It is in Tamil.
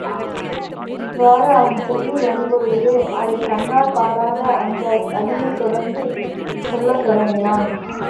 இவ்வாறு அவன் சொல்லி வரும்பொழுதே, அதைக் கண்ணால் பாராத அந்த அடிமை தொடர்ந்து சொல்லத் தொடங்கினான்.